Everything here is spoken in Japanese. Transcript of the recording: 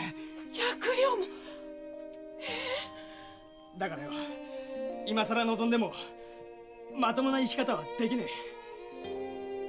百両も⁉だからよ今さら望んでもまともな生き方はできねえ。